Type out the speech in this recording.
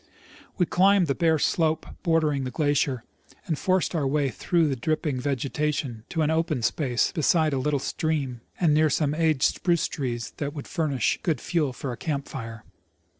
We climbed the bare slope bordering the glacier, and forced our way through the dripping vegetation to an open space beside a little stream and near some aged spruce trees that would furnish good fuel for a camp fire.